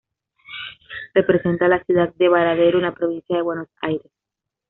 Representa a la ciudad de Baradero, en la Provincia de Buenos Aires.